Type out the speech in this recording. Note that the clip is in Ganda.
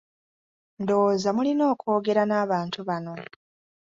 Ndowooza mulina okwogera n'abantu bano.